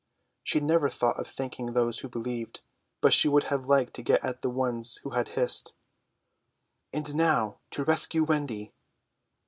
She never thought of thanking those who believed, but she would have liked to get at the ones who had hissed. "And now to rescue Wendy!"